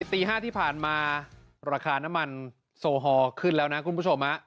ตี๕ที่ผ่านมาราคาน้ำมันโซฮอลขึ้นแล้วนะคุณผู้ชม